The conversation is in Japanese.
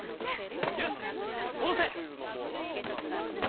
よし戻せ！